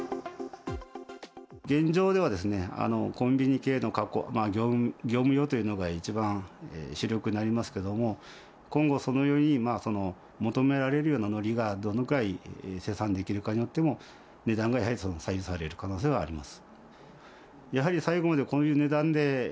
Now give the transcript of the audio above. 現状ではコンビニ、業務用というのが一番主力になりますけども、今後そのように求められるようなのりがどのくらい生産できるかによっても、値段がやはり左右される可能性はあります。